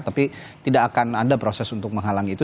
tapi tidak akan ada proses untuk menghalangi itu